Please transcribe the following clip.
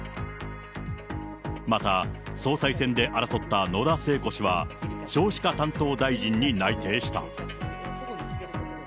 また、総裁選で争った野田聖子氏は、少子化担当大臣に内定した。